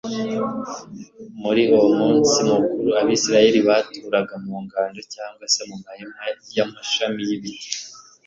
muri uwo munsi mukuru abisiraeli baturaga mu ngando cyangwa se mu mahema y'amashami y'ibiti.